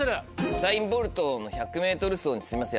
ウサイン・ボルトの１００ｍ走にします